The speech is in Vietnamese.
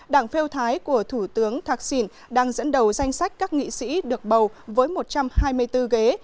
đảng pheo thái của thủ tướng thạc sìn đang dẫn đầu danh sách các nghị sĩ được bầu với một trăm hai mươi bốn ghế